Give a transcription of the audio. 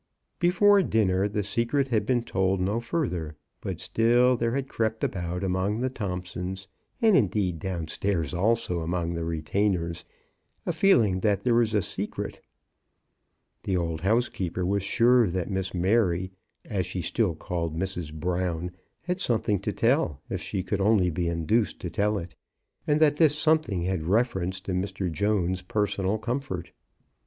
Before dinner the secret had been told no further, but still there had crept about among the Thompsons, and, indeed, down stairs also among the retainers, a feeling that there was a secret. The old housekeejier was sure that Miss Mary, as she still called Mrs. Brown, had some thing to tell, if she could only be induced to tell it, and that this something had reference to Mr. Jones's personal comfort.